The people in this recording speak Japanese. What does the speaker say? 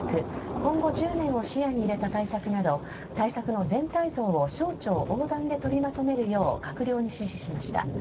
今後１０年を視野に入れた対策など対策の全体像を省庁横断で取りまとめるよう閣僚に指示しました。